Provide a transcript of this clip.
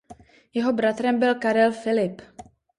Jeho bratrem byl Karel Filip.